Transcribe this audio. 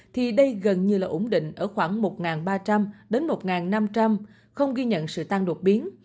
thì đây gần như là ổn định ở khoảng một ba trăm linh đến một năm trăm linh không ghi nhận sự tăng đột biến